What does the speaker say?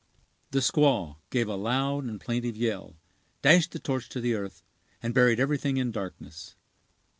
The squaw gave a loud and plaintive yell, dashed the torch to the earth, and buried everything in darkness.